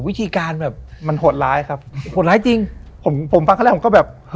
วิธีการมันแบบ